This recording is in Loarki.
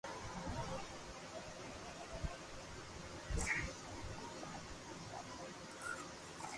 ھين روي کاھ وا لاگيو پسي ٻولئا لاگآو